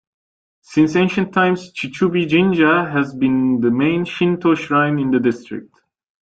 Since ancient times, Chichibu-jinja has been the main Shinto shrine in the district.